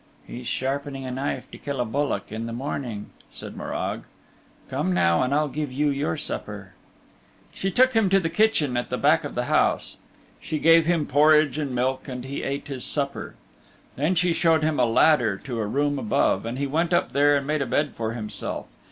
"He's sharpening a knife to kill a bullock in the morning," said Morag. "Come now, and I'll give you your supper." She took him to the kitchen at the back of the house. She gave him porridge and milk and he ate his supper. Then she showed him a ladder to a room above, and he went up there and made a bed for himself.